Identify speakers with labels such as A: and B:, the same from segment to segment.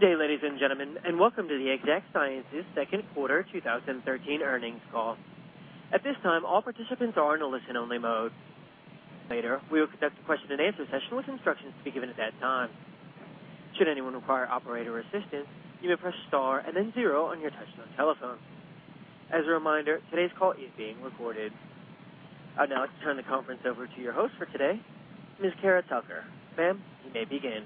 A: Good day, ladies and gentlemen, and welcome to the Exact Sciences Second Quarter 2013 Earnings Call. At this time, all participants are in a listen-only mode. Later, we will conduct a question-and-answer session with instructions to be given at that time. Should anyone require operator assistance, you may press star and then zero on your touch-tone telephone. As a reminder, today's call is being recorded. Now, let's turn the conference over to your host for today, Ms. Cara Tucker. Ma'am, you may begin.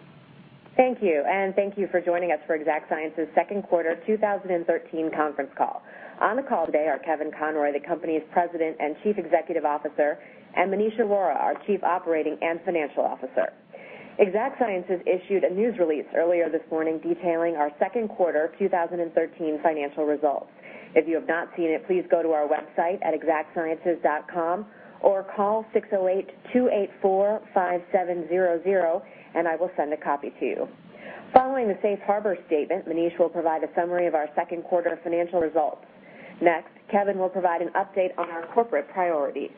B: Thank you, and thank you for joining us for Exact Sciences Second Quarter 2013 Conference Call. On the call today are Kevin Conroy, the company's President and Chief Executive Officer, and Maneesh Arora, our Chief Operating and Financial Officer. Exact Sciences issued a news release earlier this morning detailing our second quarter 2013 financial results. If you have not seen it, please go to our website at exactsciences.com or call 608-284-5700, and I will send a copy to you. Following the safe harbor statement, Maneesh will provide a summary of our second quarter financial results. Next, Kevin will provide an update on our corporate priorities.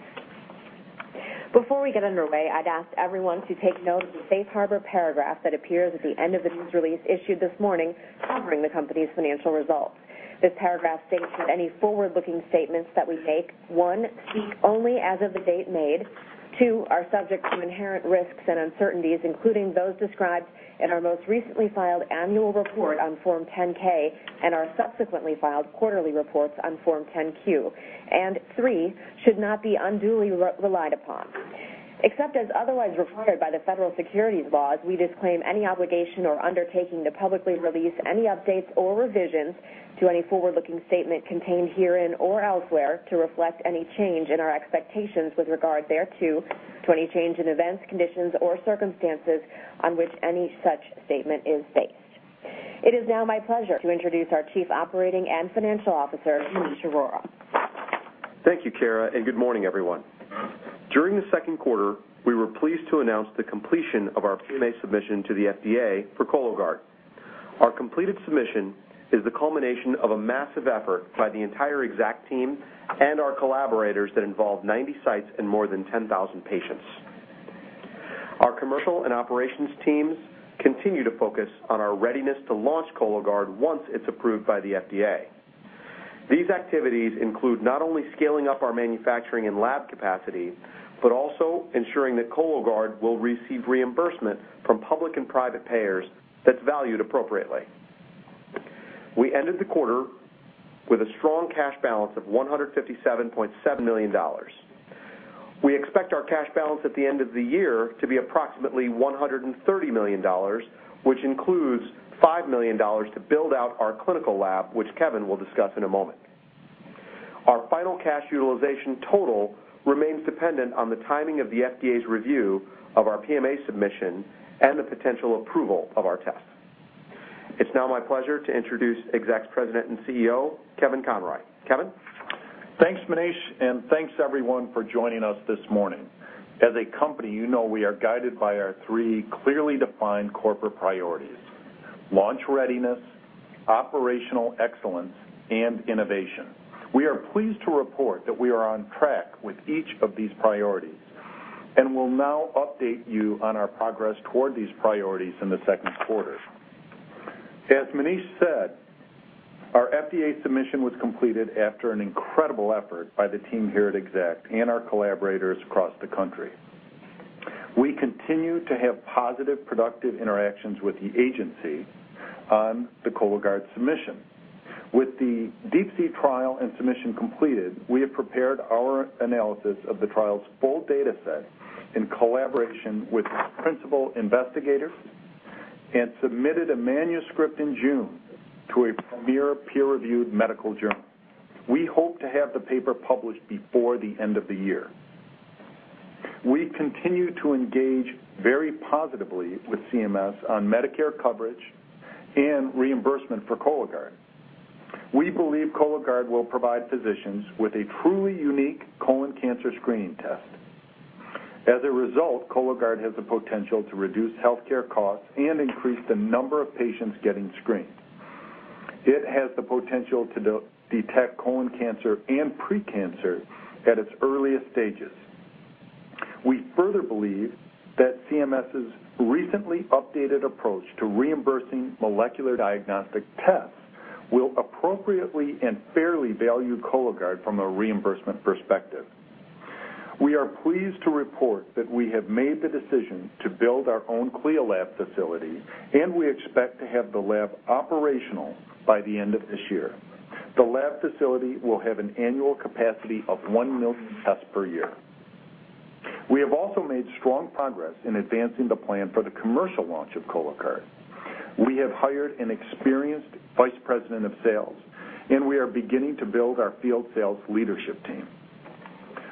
B: Before we get underway, I'd ask everyone to take note of the safe harbor paragraph that appears at the end of the news release issued this morning covering the company's financial results. This paragraph states that any forward-looking statements that we make, one, speak only as of the date made, two, are subject to inherent risks and uncertainties, including those described in our most recently filed annual report on Form 10-K and our subsequently filed quarterly reports on Form 10-Q, and three, should not be unduly relied upon. Except as otherwise required by the federal securities laws, we disclaim any obligation or undertaking to publicly release any updates or revisions to any forward-looking statement contained herein or elsewhere to reflect any change in our expectations with regard thereto to any change in events, conditions, or circumstances on which any such statement is based. It is now my pleasure to introduce our Chief Operating and Financial Officer, Maneesh Arora.
C: Thank you, Cara, and good morning, everyone. During the second quarter, we were pleased to announce the completion of our PMA submission to the FDA for Cologuard. Our completed submission is the culmination of a massive effort by the entire Exact team and our collaborators that involved 90 sites and more than 10,000 patients. Our commercial and operations teams continue to focus on our readiness to launch Cologuard once it's approved by the FDA. These activities include not only scaling up our manufacturing and lab capacity but also ensuring that Cologuard will receive reimbursement from public and private payers that's valued appropriately. We ended the quarter with a strong cash balance of $157.7 million. We expect our cash balance at the end of the year to be approximately $130 million, which includes $5 million to build out our clinical lab, which Kevin will discuss in a moment. Our final cash utilization total remains dependent on the timing of the FDA's review of our PMA submission and the potential approval of our test. It's now my pleasure to introduce Exact's President and CEO, Kevin Conroy. Kevin?
D: Thanks, Maneesh, and thanks, everyone, for joining us this morning. As a company, you know we are guided by our three clearly defined corporate priorities: launch readiness, operational excellence, and innovation. We are pleased to report that we are on track with each of these priorities and will now update you on our progress toward these priorities in the second quarter. As Maneesh said, our FDA submission was completed after an incredible effort by the team here at Exact and our collaborators across the country. We continue to have positive, productive interactions with the agency on the Cologuard submission. With the DeeP-C trial and submission completed, we have prepared our analysis of the trial's full data set in collaboration with principal investigators and submitted a manuscript in June to a premier peer-reviewed medical journal. We hope to have the paper published before the end of the year. We continue to engage very positively with CMS on Medicare coverage and reimbursement for Cologuard. We believe Cologuard will provide physicians with a truly unique colon cancer screening test. As a result, Cologuard has the potential to reduce healthcare costs and increase the number of patients getting screened. It has the potential to detect colon cancer and precancer at its earliest stages. We further believe that CMS's recently updated approach to reimbursing molecular diagnostic tests will appropriately and fairly value Cologuard from a reimbursement perspective. We are pleased to report that we have made the decision to build our own CLIA lab facility, and we expect to have the lab operational by the end of this year. The lab facility will have an annual capacity of 1 million tests per year. We have also made strong progress in advancing the plan for the commercial launch of Cologuard. We have hired an experienced Vice President of Sales, and we are beginning to build our field sales leadership team.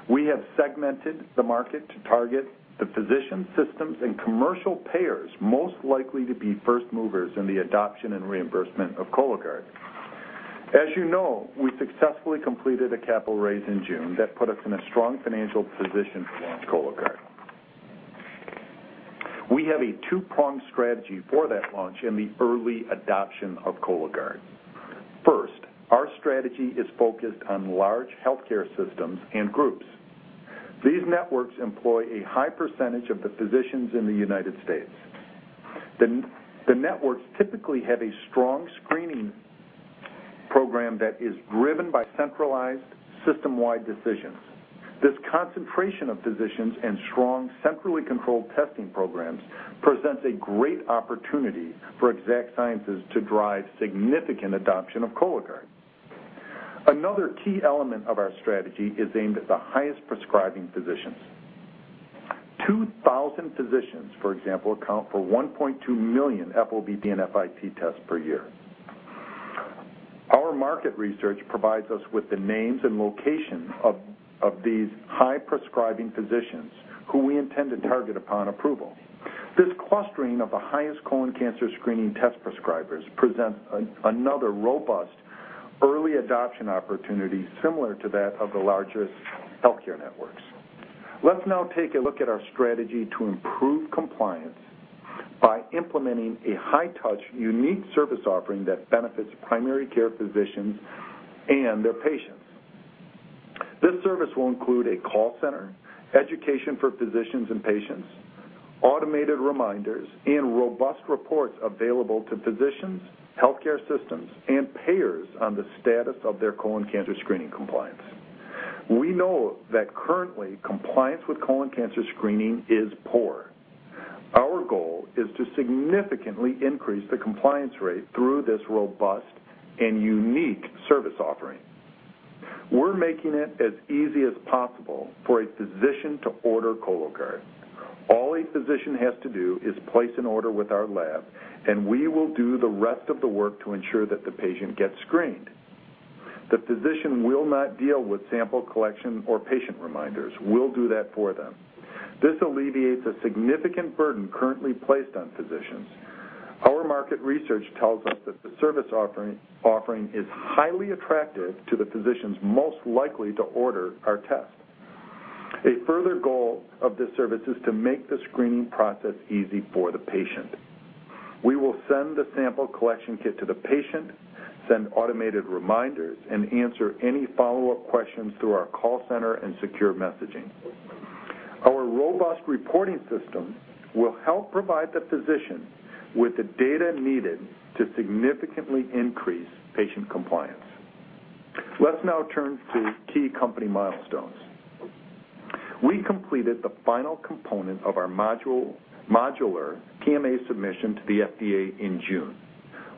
D: We have segmented the market to target the physicians, systems, and commercial payers most likely to be first movers in the adoption and reimbursement of Cologuard. As you know, we successfully completed a capital raise in June that put us in a strong financial position to launch Cologuard. We have a two-pronged strategy for that launch and the early adoption of Cologuard. First, our strategy is focused on large healthcare systems and groups. These networks employ a high percentage of the physicians in the United States. The networks typically have a strong screening program that is driven by centralized, system-wide decisions. This concentration of physicians and strong, centrally controlled testing programs presents a great opportunity for Exact Sciences to drive significant adoption of Cologuard. Another key element of our strategy is aimed at the highest prescribing physicians. Two thousand physicians, for example, account for 1.2 million FOBT and FIT tests per year. Our market research provides us with the names and locations of these high prescribing physicians who we intend to target upon approval. This clustering of the highest colon cancer screening test prescribers presents another robust early adoption opportunity similar to that of the largest healthcare networks. Let's now take a look at our strategy to improve compliance by implementing a high-touch, unique service offering that benefits primary care physicians and their patients. This service will include a call center, education for physicians and patients, automated reminders, and robust reports available to physicians, healthcare systems, and payers on the status of their colon cancer screening compliance. We know that currently, compliance with colon cancer screening is poor. Our goal is to significantly increase the compliance rate through this robust and unique service offering. We're making it as easy as possible for a physician to order Cologuard. All a physician has to do is place an order with our lab, and we will do the rest of the work to ensure that the patient gets screened. The physician will not deal with sample collection or patient reminders. We'll do that for them. This alleviates a significant burden currently placed on physicians. Our market research tells us that the service offering is highly attractive to the physicians most likely to order our test. A further goal of this service is to make the screening process easy for the patient. We will send the sample collection kit to the patient, send automated reminders, and answer any follow-up questions through our call center and secure messaging. Our robust reporting system will help provide the physician with the data needed to significantly increase patient compliance. Let's now turn to key company milestones. We completed the final component of our modular PMA submission to the FDA in June.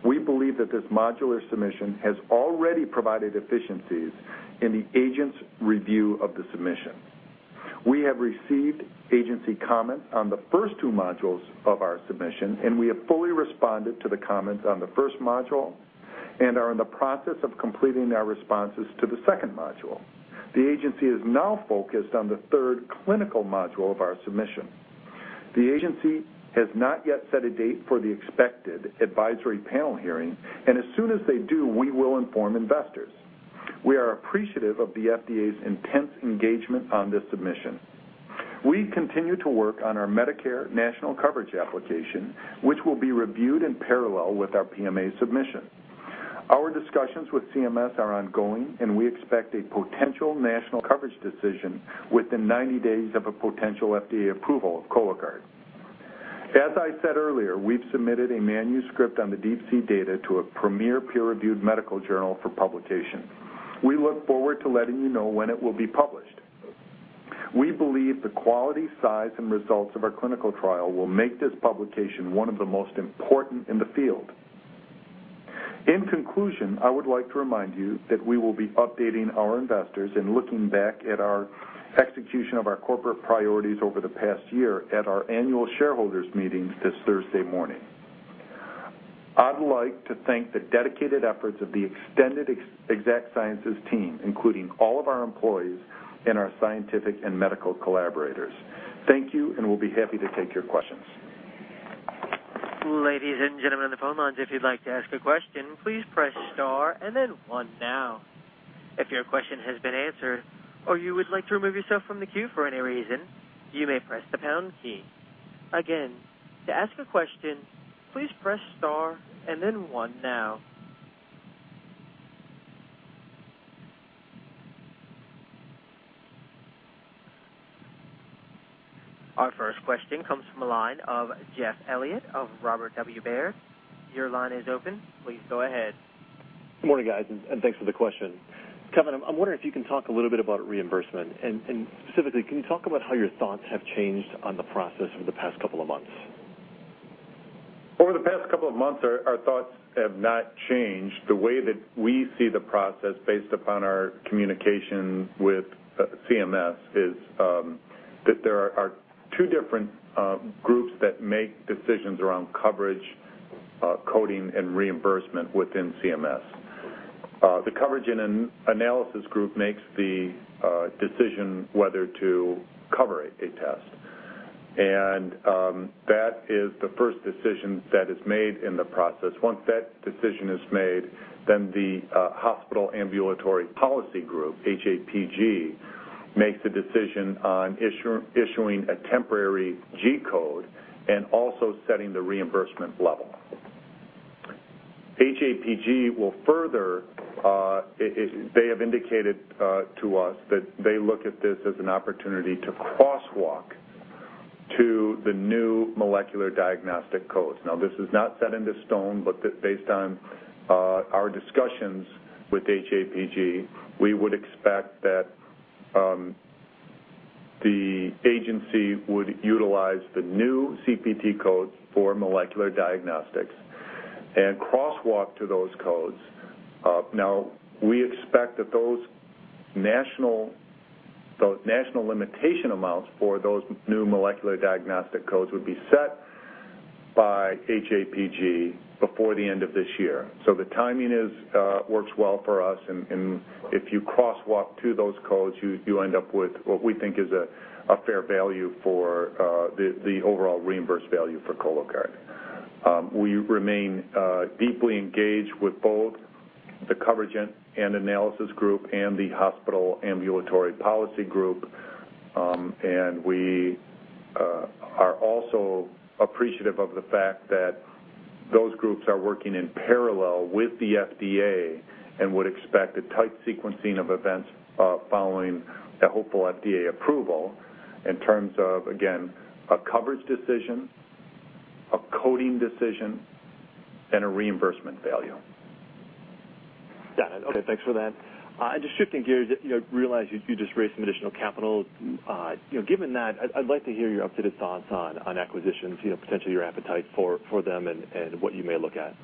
D: We believe that this modular submission has already provided efficiencies in the agency's review of the submission. We have received agency comments on the first two modules of our submission, and we have fully responded to the comments on the first module and are in the process of completing our responses to the second module. The agency is now focused on the third clinical module of our submission. The agency has not yet set a date for the expected advisory panel hearing, and as soon as they do, we will inform investors. We are appreciative of the FDA's intense engagement on this submission. We continue to work on our Medicare national coverage application, which will be reviewed in parallel with our PMA submission. Our discussions with CMS are ongoing, and we expect a potential national coverage decision within 90 days of a potential FDA approval of Cologuard. As I said earlier, we've submitted a manuscript on the DeeP-C data to a premier peer-reviewed medical journal for publication. We look forward to letting you know when it will be published. We believe the quality, size, and results of our clinical trial will make this publication one of the most important in the field. In conclusion, I would like to remind you that we will be updating our investors and looking back at our execution of our corporate priorities over the past year at our Annual Shareholders Meetings this Thursday morning. I'd like to thank the dedicated efforts of the extended Exact Sciences team, including all of our employees and our scientific and medical collaborators. Thank you, and we'll be happy to take your questions.
A: Ladies and gentlemen on the phonelines, if you'd like to ask a question, please press star and then one now. If your question has been answered or you would like to remove yourself from the queue for any reason, you may press the pound key. Again, to ask a question, please press star and then one now. Our first question comes from a line of Jeff Elliott of Robert W. Baird. Your line is open. Please go ahead.
E: Good morning, guys, and thanks for the question. Kevin, I'm wondering if you can talk a little bit about reimbursement. Specifically, can you talk about how your thoughts have changed on the process over the past couple of months?
D: Over the past couple of months, our thoughts have not changed. The way that we see the process based upon our communication with CMS is that there are two different groups that make decisions around coverage, coding, and reimbursement within CMS. The coverage and analysis group makes the decision whether to cover a test. That is the first decision that is made in the process. Once that decision is made, the hospital ambulatory policy group, HAPG, makes a decision on issuing a temporary G code and also setting the reimbursement level. HAPG will further—they have indicated to us that they look at this as an opportunity to crosswalk to the new molecular diagnostic codes. Now, this is not set in stone, but based on our discussions with HAPG, we would expect that the agency would utilize the new CPT codes for molecular diagnostics and crosswalk to those codes. Now, we expect that those national limitation amounts for those new molecular diagnostic codes would be set by HAPG before the end of this year. The timing works well for us, and if you crosswalk to those codes, you end up with what we think is a fair value for the overall reimbursed value for Cologuard. We remain deeply engaged with both the coverage and analysis group and the hospital ambulatory policy group, and we are also appreciative of the fact that those groups are working in parallel with the FDA and would expect a tight sequencing of events following a hopeful FDA approval in terms of, again, a coverage decision, a coding decision, and a reimbursement value.
E: Got it. Okay. Thanks for that. Just shifting gears, I realize you just raised some additional capital. Given that, I'd like to hear your updated thoughts on acquisitions, potentially your appetite for them, and what you may look at.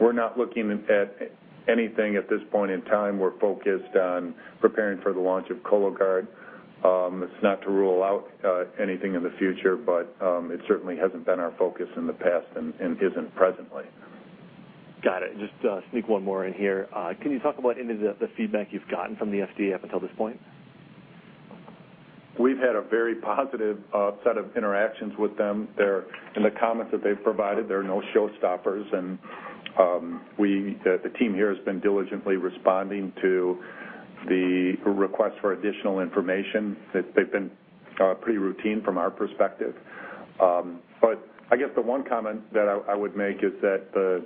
D: We're not looking at anything at this point in time. We're focused on preparing for the launch of Cologuard. It's not to rule out anything in the future, but it certainly hasn't been our focus in the past and isn't presently.
E: Got it. Just sneak one more in here. Can you talk about any of the feedback you've gotten from the FDA up until this point?
D: We've had a very positive set of interactions with them. In the comments that they've provided, there are no showstoppers, and the team here has been diligently responding to the request for additional information. They've been pretty routine from our perspective. I guess the one comment that I would make is that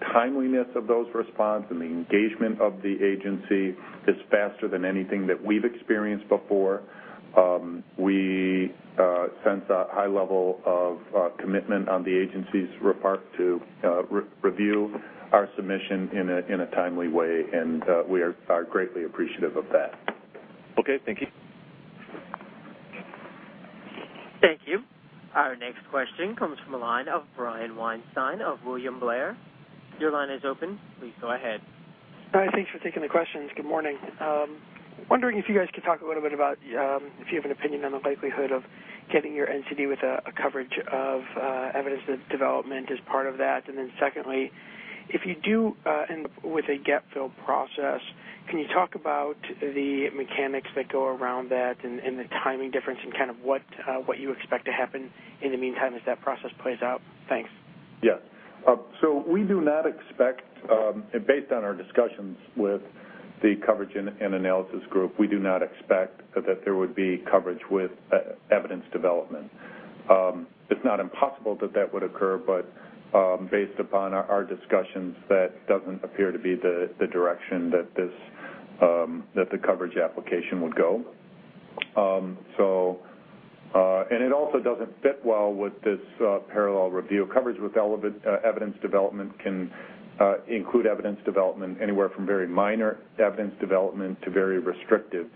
D: the timeliness of those responses and the engagement of the agency is faster than anything that we've experienced before. We sense a high level of commitment on the agency's part to review our submission in a timely way, and we are greatly appreciative of that.
E: Okay. Thank you.
A: Thank you. Our next question comes from a line of Brian Weinstein of William Blair. Your line is open. Please go ahead.
F: Hi. Thanks for taking the questions. Good morning. Wondering if you guys could talk a little bit about if you have an opinion on the likelihood of getting your NCD with a coverage with evidence development as part of that. And then secondly, if you do end up with a gap-filled process, can you talk about the mechanics that go around that and the timing difference and kind of what you expect to happen in the meantime as that process plays out? Thanks.
D: Yes. We do not expect, based on our discussions with the coverage and analysis group, we do not expect that there would be coverage with evidence development. It's not impossible that that would occur, but based upon our discussions, that does not appear to be the direction that the coverage application would go. It also does not fit well with this parallel review. Coverage with evidence development can include evidence development anywhere from very minor evidence development to very restrictive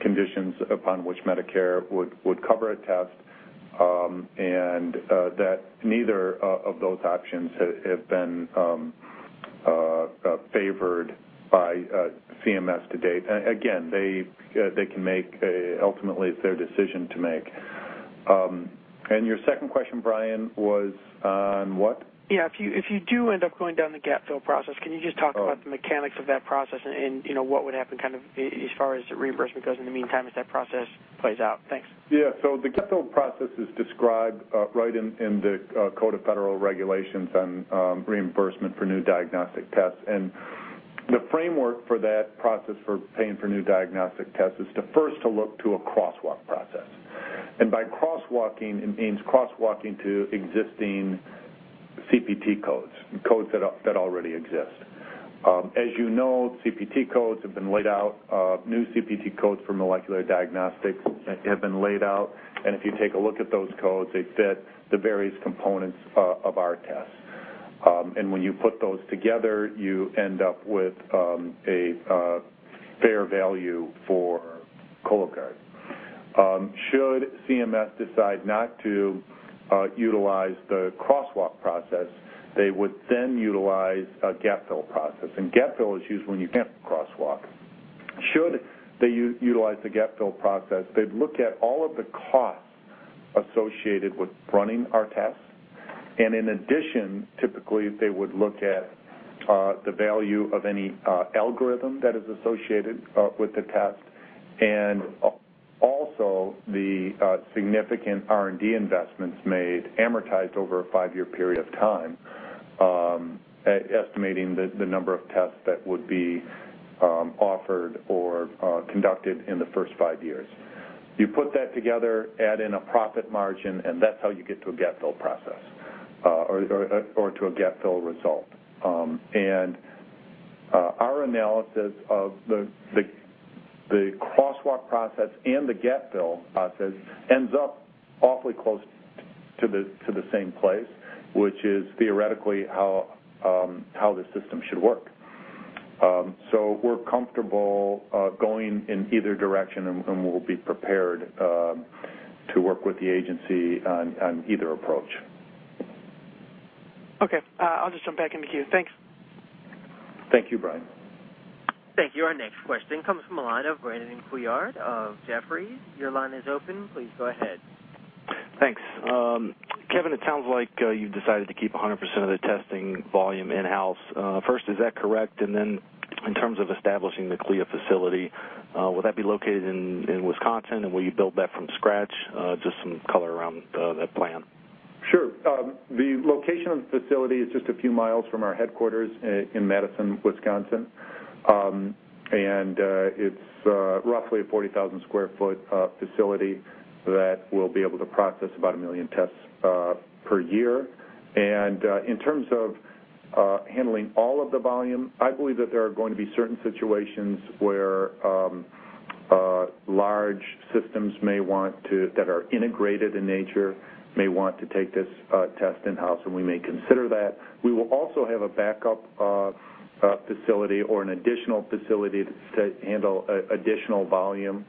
D: conditions upon which Medicare would cover a test, and neither of those options have been favored by CMS to date. Again, they can make ultimately their decision to make. Your second question, Brian, was on what?
F: Yeah. If you do end up going down the gap-filled process, can you just talk about the mechanics of that process and what would happen kind of as far as reimbursement goes in the meantime as that process plays out? Thanks.
D: Yeah. The gap-filled process is described right in the Code of Federal Regulations on reimbursement for new diagnostic tests. The framework for that process for paying for new diagnostic tests is to first look to a crosswalk process. By crosswalking, it means crosswalking to existing CPT codes, codes that already exist. As you know, CPT codes have been laid out. New CPT codes for molecular diagnostics have been laid out, and if you take a look at those codes, they fit the various components of our tests. When you put those together, you end up with a fair value for Cologuard. Should CMS decide not to utilize the crosswalk process, they would then utilize a gap-filled process. Gap-filled is used when you cannot crosswalk. Should they utilize the gap-filled process, they would look at all of the costs associated with running our tests. In addition, typically, they would look at the value of any algorithm that is associated with the test and also the significant R&D investments made amortized over a five-year period of time, estimating the number of tests that would be offered or conducted in the first five years. You put that together, add in a profit margin, and that is how you get to a gap-filled process or to a gap-filled result. Our analysis of the crosswalk process and the gap-filled process ends up awfully close to the same place, which is theoretically how the system should work. We are comfortable going in either direction, and we will be prepared to work with the agency on either approach.
F: Okay. I'll just jump back into queue. Thanks.
D: Thank you, Brian.
A: Thank you. Our next question comes from a line of Brandon Couillard of Jefferies. Your line is open. Please go ahead.
G: Thanks. Kevin, it sounds like you've decided to keep 100% of the testing volume in-house. First, is that correct? In terms of establishing the CLIA facility, will that be located in Wisconsin, and will you build that from scratch? Just some color around that plan.
D: Sure. The location of the facility is just a few miles from our headquarters in Madison, Wisconsin, and it is roughly a 40,000 sq ft facility that will be able to process about 1 million tests per year. In terms of handling all of the volume, I believe that there are going to be certain situations where large systems that are integrated in nature may want to take this test in-house, and we may consider that. We will also have a backup facility or an additional facility to handle additional volume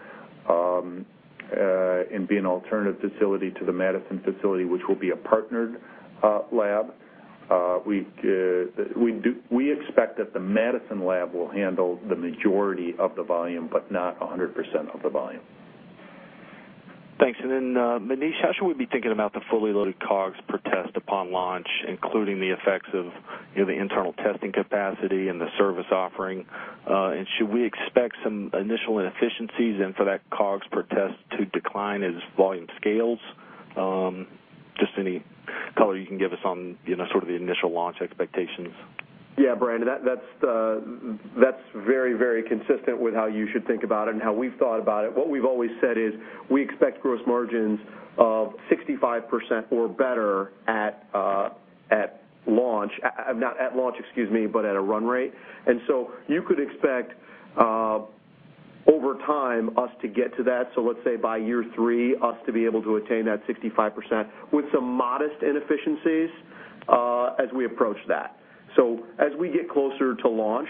D: and be an alternative facility to the Madison facility, which will be a partnered lab. We expect that the Madison lab will handle the majority of the volume, but not 100% of the volume.
G: Thanks. And then Maneesh, how should we be thinking about the fully loaded COGS per test upon launch, including the effects of the internal testing capacity and the service offering? And should we expect some initial inefficiencies and for that COGS per test to decline as volume scales? Just any color you can give us on sort of the initial launch expectations.
C: Yeah, Brandon, that's very, very consistent with how you should think about it and how we've thought about it. What we've always said is we expect gross margins of 65% or better at launch. Not at launch, excuse me, but at a run rate. You could expect over time us to get to that. Let's say by year three, us to be able to attain that 65% with some modest inefficiencies as we approach that. As we get closer to launch,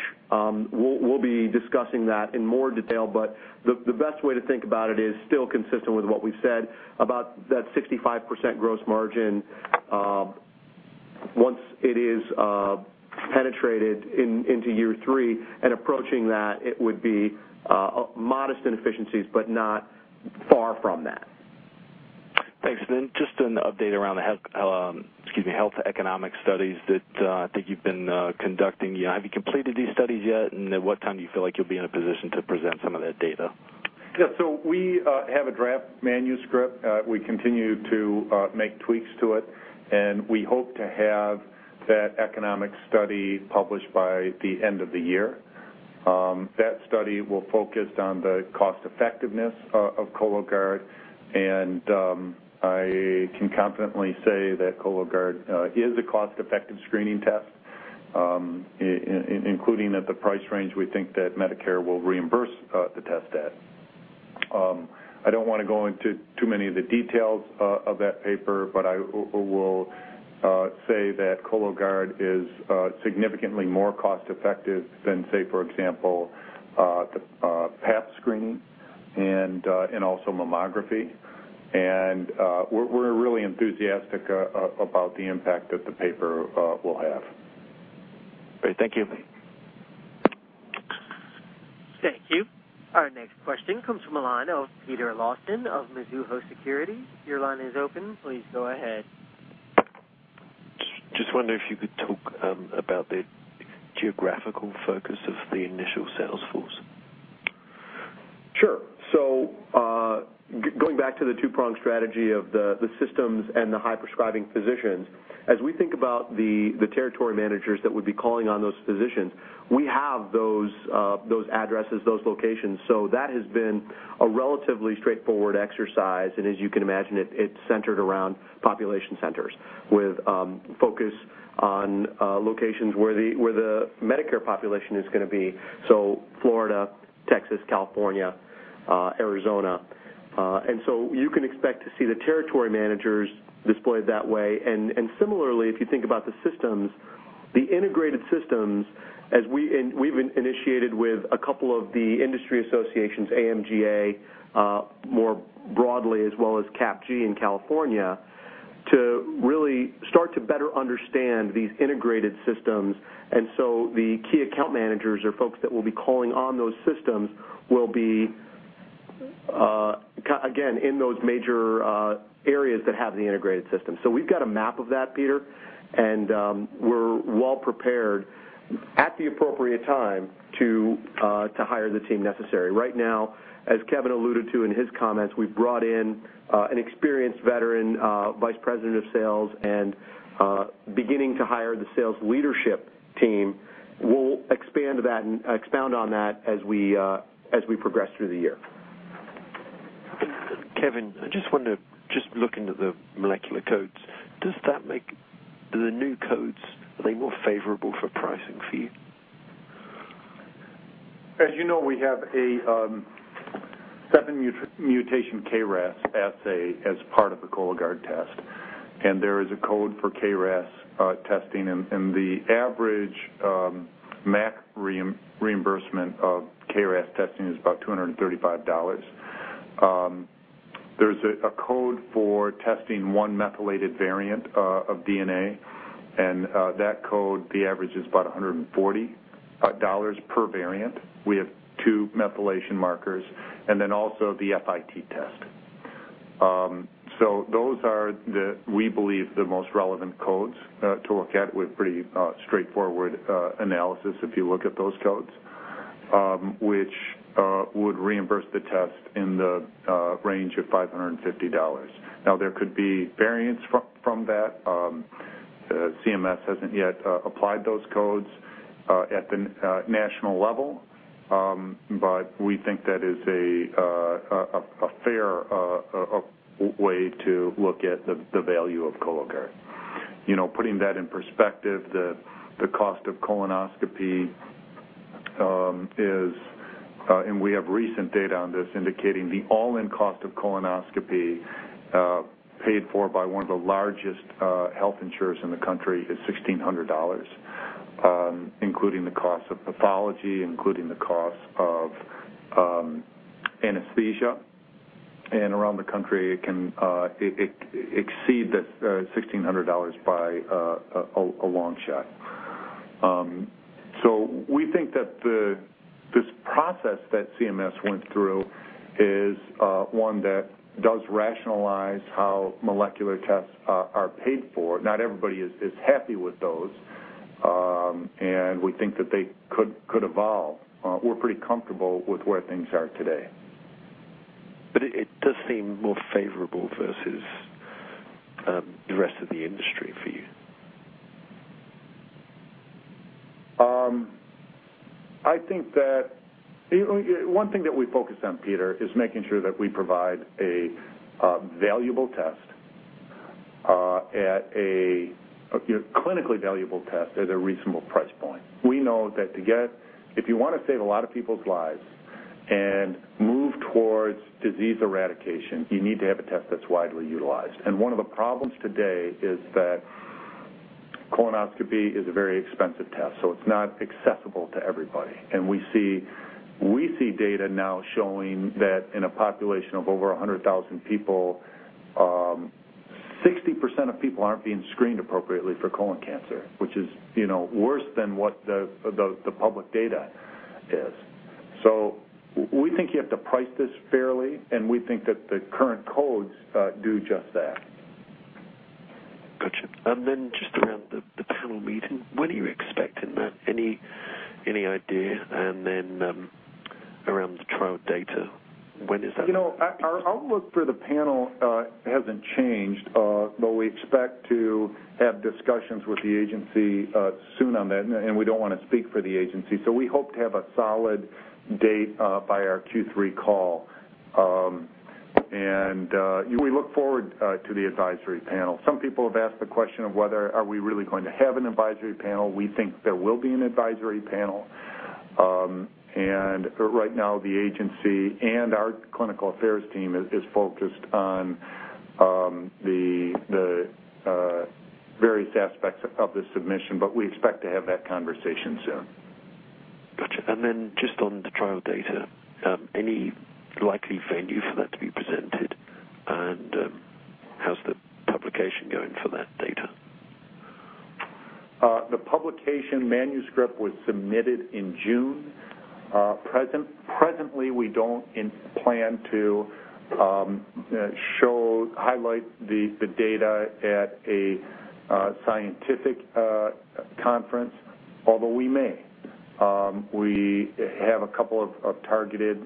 C: we'll be discussing that in more detail, but the best way to think about it is still consistent with what we've said about that 65% gross margin once it is penetrated into year three. Approaching that, it would be modest inefficiencies, but not far from that.
G: Thanks. Excuse me, health economic studies that I think you've been conducting. Have you completed these studies yet, and at what time do you feel like you'll be in a position to present some of that data?
D: Yeah. We have a draft manuscript. We continue to make tweaks to it, and we hope to have that economic study published by the end of the year. That study will focus on the cost-effectiveness of Cologuard, and I can confidently say that Cologuard is a cost-effective screening test, including at the price range we think that Medicare will reimburse the test at. I do not want to go into too many of the details of that paper, but I will say that Cologuard is significantly more cost-effective than, say, for example, Pap screening and also mammography. We are really enthusiastic about the impact that the paper will have.
G: Great. Thank you.
A: Thank you. Our next question comes from a line of Peter Lawson of Mizuho Securities. Your line is open. Please go ahead.
H: Just wondering if you could talk about the geographical focus of the initial sales force.
C: Sure. Going back to the two-pronged strategy of the systems and the high-prescribing physicians, as we think about the territory managers that would be calling on those physicians, we have those addresses, those locations. That has been a relatively straightforward exercise, and as you can imagine, it is centered around population centers with focus on locations where the Medicare population is going to be. Florida, Texas, California, Arizona. You can expect to see the territory managers displayed that way. Similarly, if you think about the systems, the integrated systems, we have initiated with a couple of the industry associations, AMGA more broadly, as well as CAPG in California, to really start to better understand these integrated systems. The key account managers or folks that will be calling on those systems will be, again, in those major areas that have the integrated systems. We have got a map of that, Peter, and we are well prepared at the appropriate time to hire the team necessary. Right now, as Kevin alluded to in his comments, we have brought in an experienced veteran Vice President of Sales. And beginning to hire the sales leadership team, we will expand on that as we progress through the year.
H: Kevin, I just want to just look into the molecular codes. Does that make the new codes, are they more favorable for pricing for you?
D: As you know, we have a seven mutation KRAS assay as part of the Cologuard test, and there is a code for KRAS testing. The average MAC reimbursement of KRAS testing is about $235. There is a code for testing one methylated variant of DNA, and that code, the average is about $140 per variant. We have two methylation markers, and then also the FIT test. Those are, we believe, the most relevant codes to look at with pretty straightforward analysis if you look at those codes, which would reimburse the test in the range of $550. There could be variants from that. CMS has not yet applied those codes at the national level, but we think that is a fair way to look at the value of Cologuard. Putting that in perspective, the cost of colonoscopy is, and we have recent data on this indicating the all-in cost of colonoscopy paid for by one of the largest health insurers in the country is $1,600, including the cost of pathology, including the cost of anesthesia. Around the country, it can exceed the $1,600 by a long shot. We think that this process that CMS went through is one that does rationalize how molecular tests are paid for. Not everybody is happy with those, and we think that they could evolve. We're pretty comfortable with where things are today.
H: It does seem more favorable versus the rest of the industry for you.
D: I think that one thing that we focus on, Peter, is making sure that we provide a valuable test, a clinically valuable test at a reasonable price point. We know that if you want to save a lot of people's lives and move towards disease eradication, you need to have a test that's widely utilized. One of the problems today is that colonoscopy is a very expensive test, so it's not accessible to everybody. We see data now showing that in a population of over 100,000 people, 60% of people aren't being screened appropriately for colon cancer, which is worse than what the public data is. We think you have to price this fairly, and we think that the current codes do just that.
H: Gotcha. And then just around the panel meeting, when are you expecting that? Any idea? And then around the trial data, when is that?
D: Our outlook for the panel hasn't changed, though we expect to have discussions with the agency soon on that, and we don't want to speak for the agency. We hope to have a solid date by our Q3 call. We look forward to the advisory panel. Some people have asked the question of whether are we really going to have an advisory panel. We think there will be an advisory panel. Right now, the agency and our clinical affairs team is focused on the various aspects of the submission, but we expect to have that conversation soon.
H: Gotcha. And then just on the trial data, any likely venue for that to be presented? How's the publication going for that data?
D: The publication manuscript was submitted in June. Presently, we do not plan to highlight the data at a scientific conference, although we may. We have a couple of targeted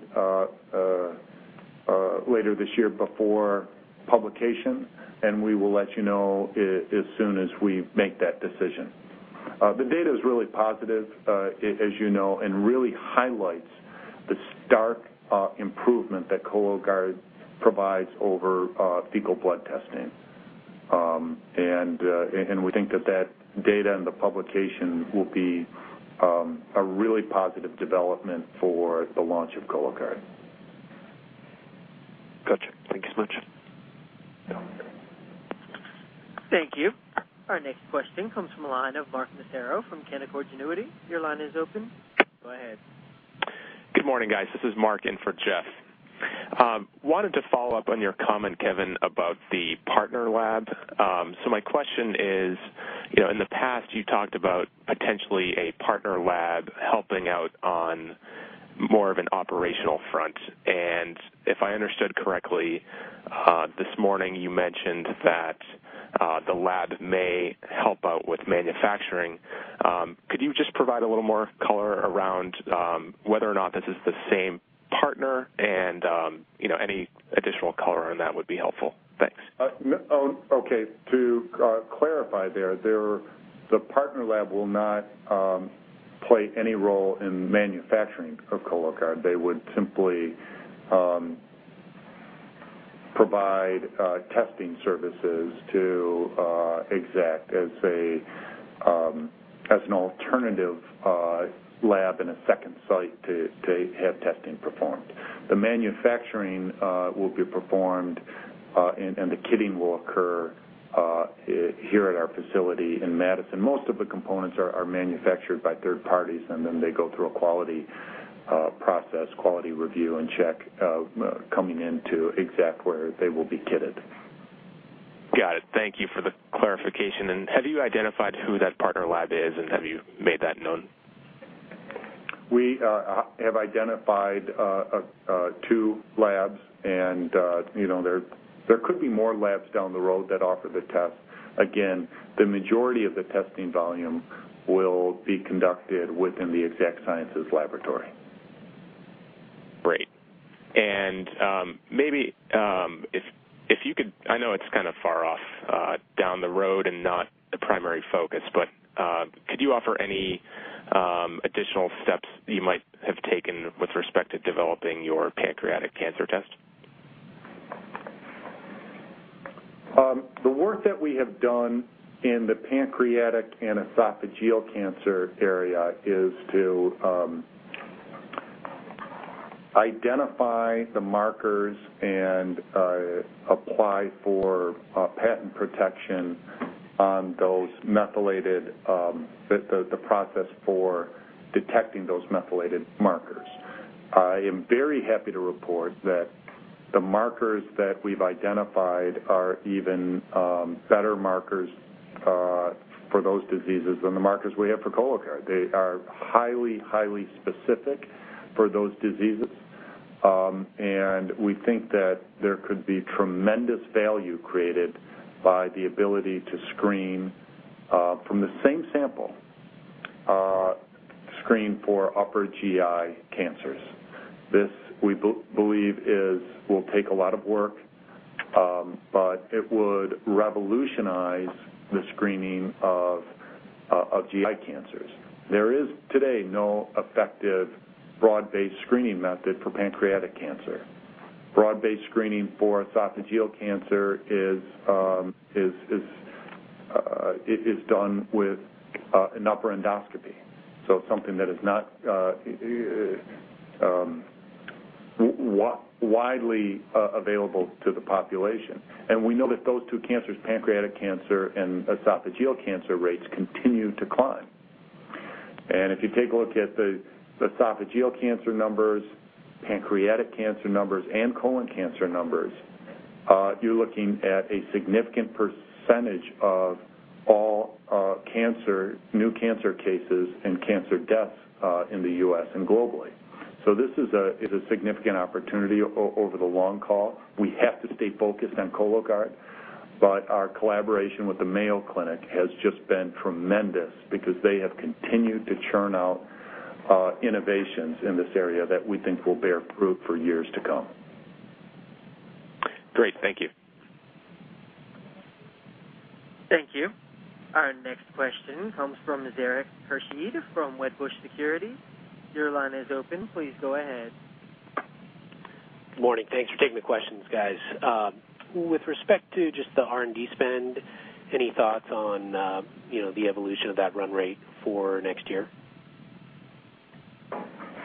D: later this year before publication, and we will let you know as soon as we make that decision. The data is really positive, as you know, and really highlights the stark improvement that Cologuard provides over fecal blood testing. We think that that data and the publication will be a really positive development for the launch of Cologuard.
H: Gotcha. Thank you so much.
A: Thank you. Our next question comes from a line of Mark Massaro from Canaccord Genuity. Your line is open. Go ahead.
I: Good morning, guys. This is Mark in for Jeff. Wanted to follow up on your comment, Kevin, about the partner lab. My question is, in the past, you talked about potentially a partner lab helping out on more of an operational front. If I understood correctly, this morning you mentioned that the lab may help out with manufacturing. Could you just provide a little more color around whether or not this is the same partner? Any additional color on that would be helpful. Thanks.
D: Okay. To clarify there, the partner lab will not play any role in manufacturing of Cologuard. They would simply provide testing services to Exact as an alternative lab and a second site to have testing performed. The manufacturing will be performed, and the kitting will occur here at our facility in Madison. Most of the components are manufactured by third parties, and then they go through a quality process, quality review, and check coming into Exact where they will be kitted.
I: Got it. Thank you for the clarification. Have you identified who that partner lab is, and have you made that known?
D: We have identified two labs, and there could be more labs down the road that offer the test. Again, the majority of the testing volume will be conducted within the Exact Sciences Laboratory.
I: Great. If you could—I know it's kind of far off down the road and not the primary focus, but could you offer any additional steps you might have taken with respect to developing your pancreatic cancer test?
D: The work that we have done in the pancreatic and esophageal cancer area is to identify the markers and apply for patent protection on those methylated—the process for detecting those methylated markers. I am very happy to report that the markers that we've identified are even better markers for those diseases than the markers we have for Cologuard. They are highly, highly specific for those diseases, and we think that there could be tremendous value created by the ability to screen from the same sample, screen for upper GI cancers. This, we believe, will take a lot of work, but it would revolutionize the screening of GI cancers. There is today no effective broad-based screening method for pancreatic cancer. Broad-based screening for esophageal cancer is done with an upper endoscopy, so something that is not widely available to the population. We know that those two cancers, pancreatic cancer and esophageal cancer, rates continue to climb. If you take a look at the esophageal cancer numbers, pancreatic cancer numbers, and colon cancer numbers, you're looking at a significant percentage of all new cancer cases and cancer deaths in the U.S. and globally. This is a significant opportunity over the long haul. We have to stay focused on Cologuard, but our collaboration with the Mayo Clinic has just been tremendous because they have continued to churn out innovations in this area that we think will bear fruit for years to come.
I: Great. Thank you.
A: Thank you. Our next question comes from Zarak Khurshid from Wedbush Securities. Your line is open. Please go ahead.
J: Good morning. Thanks for taking the questions, guys. With respect to just the R&D spend, any thoughts on the evolution of that run rate for next year?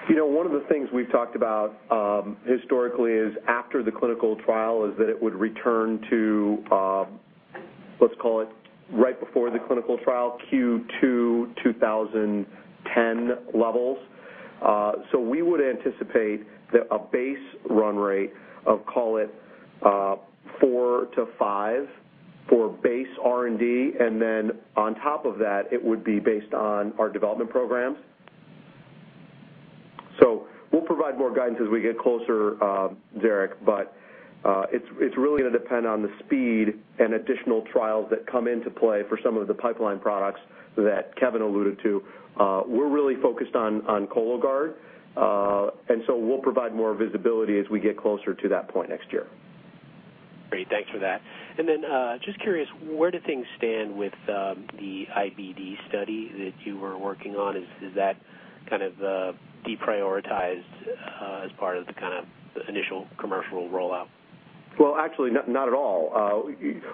C: One of the things we've talked about historically is after the clinical trial is that it would return to, let's call it, right before the clinical trial, Q2 2010 levels. We would anticipate a base run rate of, call it, four to five for base R&D, and then on top of that, it would be based on our development programs. We'll provide more guidance as we get closer, Zarak, but it's really going to depend on the speed and additional trials that come into play for some of the pipeline products that Kevin alluded to. We're really focused on Cologuard, and we'll provide more visibility as we get closer to that point next year.
J: Great. Thanks for that. Then just curious, where do things stand with the IBD study that you were working on? Is that kind of deprioritized as part of the kind of initial commercial rollout?
C: Actually, not at all.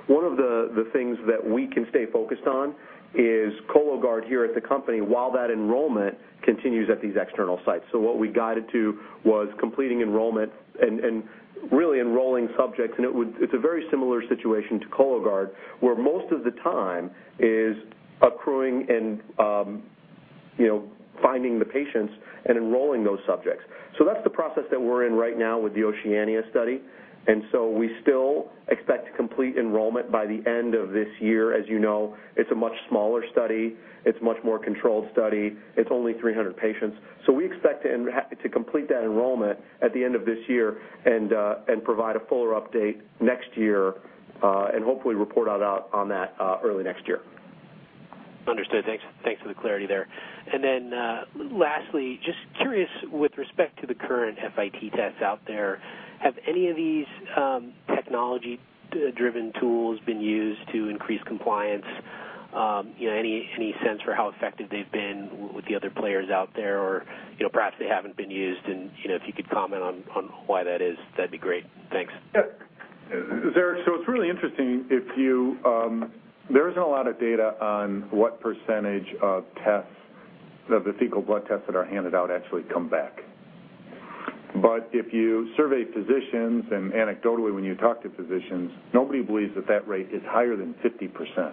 C: One of the things that we can stay focused on is Cologuard here at the company while that enrollment continues at these external sites. What we guided to was completing enrollment and really enrolling subjects. It is a very similar situation to Cologuard where most of the time is accruing and finding the patients and enrolling those subjects. That is the process that we are in right now with the Oceania study. We still expect to complete enrollment by the end of this year. As you know, it is a much smaller study. It is a much more controlled study. It is only 300 patients. We expect to complete that enrollment at the end of this year and provide a fuller update next year and hopefully report on that early next year.
J: Understood. Thanks for the clarity there. Lastly, just curious with respect to the current FIT tests out there, have any of these technology-driven tools been used to increase compliance? Any sense for how effective they've been with the other players out there? Perhaps they haven't been used. If you could comment on why that is, that'd be great. Thanks.
D: Yeah. So it's really interesting. There isn't a lot of data on what percentage of the fecal blood tests that are handed out actually come back. But if you survey physicians and anecdotally, when you talk to physicians, nobody believes that that rate is higher than 50%.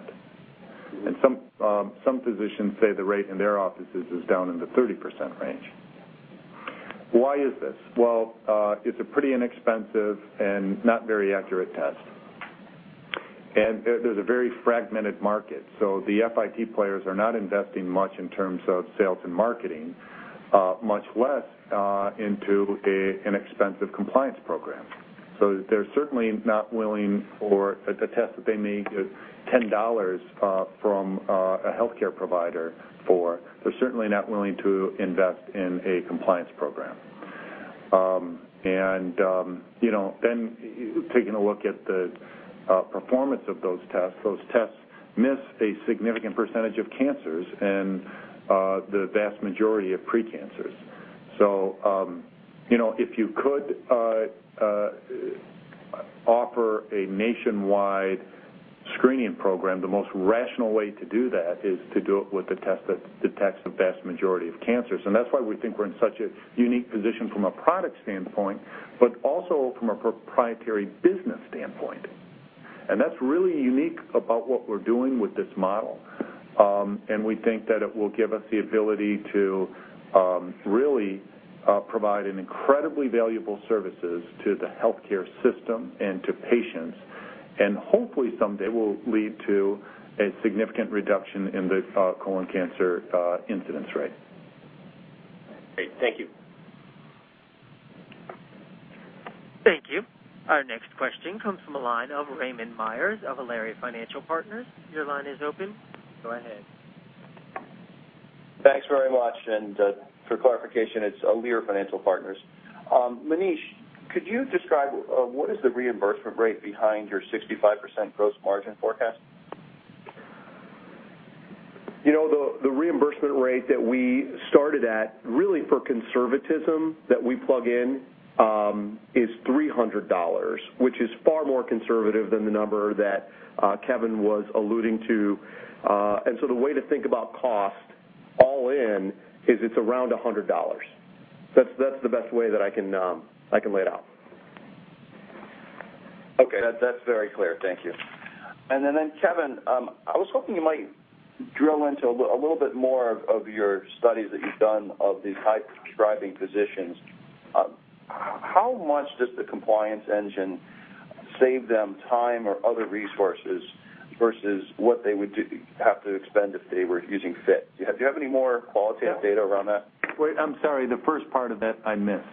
D: And some physicians say the rate in their offices is down in the 30% range. Why is this? It is a pretty inexpensive and not very accurate test. There is a very fragmented market. The FIT players are not investing much in terms of sales and marketing, much less into an expensive compliance program. They are certainly not willing for a test that they may get $10 from a healthcare provider for. They are certainly not willing to invest in a compliance program. Taking a look at the performance of those tests, those tests miss a significant percentage of cancers and the vast majority of precancers. If you could offer a nationwide screening program, the most rational way to do that is to do it with a test that detects the vast majority of cancers. That is why we think we are in such a unique position from a product standpoint, but also from a proprietary business standpoint. That is really unique about what we are doing with this model. We think that it will give us the ability to really provide incredibly valuable services to the healthcare system and to patients. Hopefully, someday it will lead to a significant reduction in the colon cancer incidence rate.
J: Great. Thank you.
A: Thank you. Our next question comes from a line of Raymond Myers of Alere Financial Partners. Your line is open. Go ahead.
K: Thanks very much. For clarification, it's Alere Financial Partners. Maneesh, could you describe what is the reimbursement rate behind your 65% gross margin forecast?
C: The reimbursement rate that we started at, really for conservatism that we plug in, is $300, which is far more conservative than the number that Kevin was alluding to. The way to think about cost all in is it's around $100. That's the best way that I can lay it out.
K: Okay. That's very clear. Thank you. Kevin, I was hoping you might drill into a little bit more of your studies that you've done of these high-prescribing physicians. How much does the compliance engine save them time or other resources versus what they would have to expend if they were using FIT? Do you have any more qualitative data around that?
D: I'm sorry. The first part of that I missed.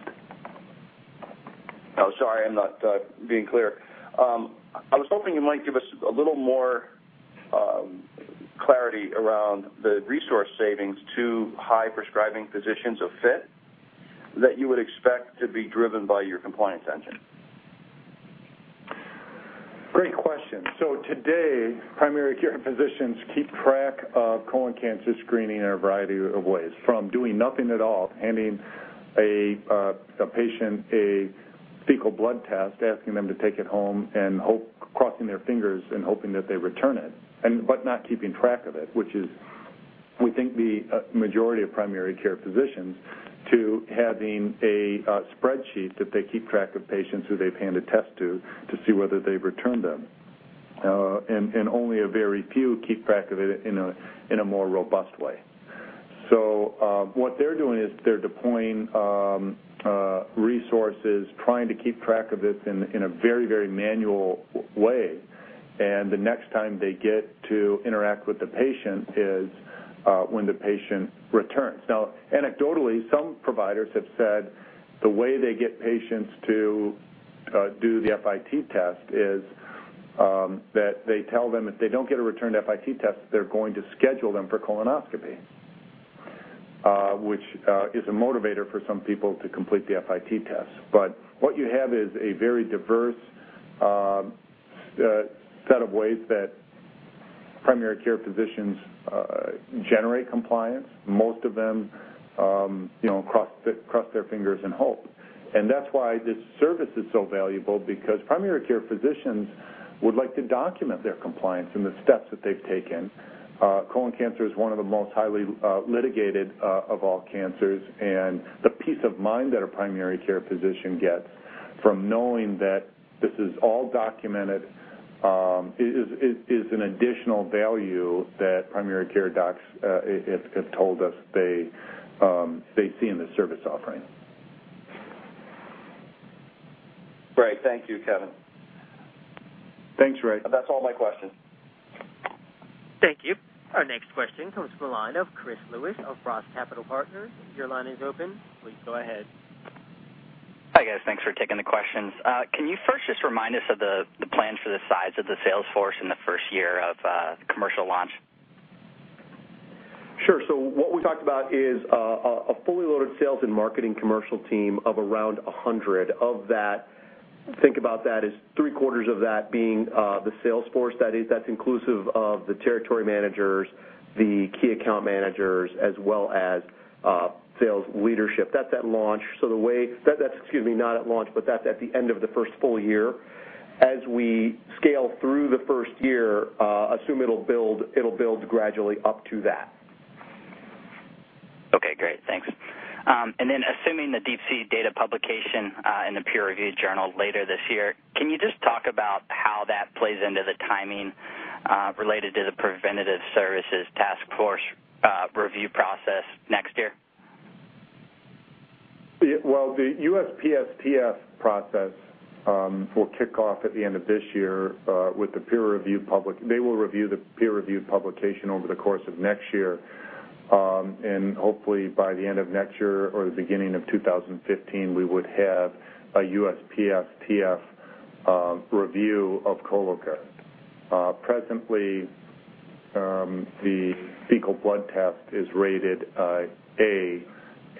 K: Oh, sorry. I'm not being clear. I was hoping you might give us a little more clarity around the resource savings to high-prescribing physicians of FIT that you would expect to be driven by your compliance engine.
D: Great question. Today, primary care physicians keep track of colon cancer screening in a variety of ways, from doing nothing at all, handing a patient a fecal blood test, asking them to take it home, and crossing their fingers and hoping that they return it, but not keeping track of it, which is, we think, the majority of primary care physicians, to having a spreadsheet that they keep track of patients who they've handed tests to to see whether they've returned them. Only a very few keep track of it in a more robust way. What they're doing is they're deploying resources, trying to keep track of this in a very, very manual way. The next time they get to interact with the patient is when the patient returns. Now, anecdotally, some providers have said the way they get patients to do the FIT test is that they tell them if they do not get a returned FIT test, they are going to schedule them for colonoscopy, which is a motivator for some people to complete the FIT test. What you have is a very diverse set of ways that primary care physicians generate compliance, most of them cross their fingers and hope. That is why this service is so valuable because primary care physicians would like to document their compliance and the steps that they have taken. Colon cancer is one of the most highly litigated of all cancers, and the peace of mind that a primary care physician gets from knowing that this is all documented is an additional value that primary care docs have told us they see in the service offering.
K: Great. Thank you, Kevin.
D: Thanks, Ray.
K: That's all my questions.
A: Thank you. Our next question comes from a line of Chris Lewis of Ross Capital Partners. Your line is open. Please go ahead.
L: Hi, guys. Thanks for taking the questions. Can you first just remind us of the plans for the size of the Salesforce in the first year of commercial launch?
C: Sure. What we talked about is a fully loaded sales and marketing commercial team of around 100. Think about that as three-quarters of that being the Salesforce. That is inclusive of the territory managers, the key account managers, as well as sales leadership. That is at launch. The way that is—excuse me—not at launch, but that is at the end of the first full year. As we scale through the first year, assume it will build gradually up to that.
L: Okay. Great. Thanks. Assuming the DeeP-C data publication in the peer-reviewed journal later this year, can you just talk about how that plays into the timing related to the Preventive Services Task Force review process next year?
D: The USPSTF process will kick off at the end of this year with the peer-reviewed public. They will review the peer-reviewed publication over the course of next year. Hopefully, by the end of next year or the beginning of 2015, we would have a USPSTF review of Cologuard. Presently, the fecal blood test is rated A,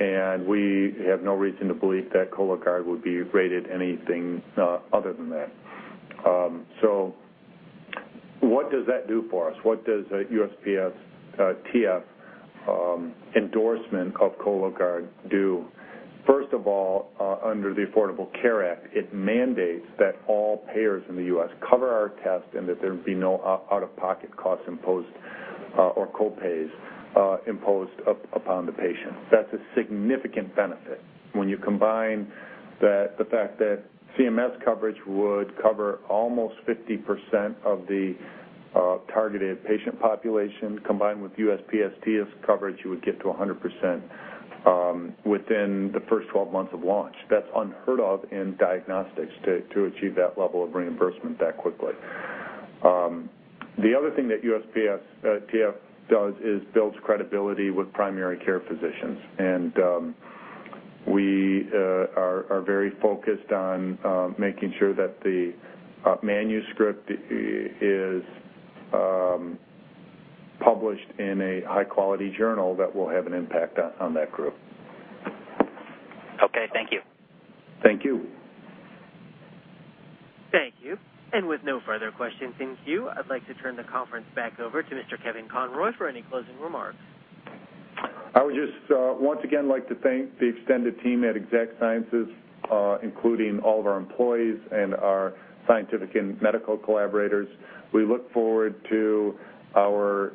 D: and we have no reason to believe that Cologuard would be rated anything other than that. What does that do for us? What does a USPSTF endorsement of Cologuard do? First of all, under the Affordable Care Act, it mandates that all payers in the U.S. cover our test and that there be no out-of-pocket costs imposed or co-pays imposed upon the patient. That is a significant benefit. When you combine the fact that CMS coverage would cover almost 50% of the targeted patient population, combined with USPSTF coverage, you would get to 100% within the first 12 months of launch. That's unheard of in diagnostics to achieve that level of reimbursement that quickly. The other thing that USPSTF does is builds credibility with primary care physicians. We are very focused on making sure that the manuscript is published in a high-quality journal that will have an impact on that group.
L: Okay. Thank you.
D: Thank you.
A: Thank you. With no further questions, thank you. I'd like to turn the conference back over to Mr. Kevin Conroy for any closing remarks.
D: I would just once again like to thank the extended team at Exact Sciences, including all of our employees and our scientific and medical collaborators. We look forward to our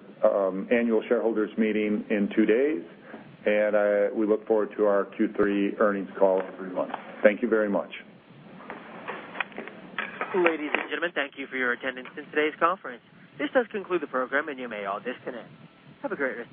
D: annual shareholders meeting in two days, and we look forward to our Q3 earnings call in three months. Thank you very much.
A: Ladies and gentlemen, thank you for your attendance in today's conference. This does conclude the program, and you may all disconnect. Have a great rest.